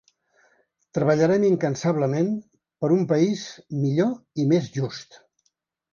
Treballarem incansablement per a un país millor i més just.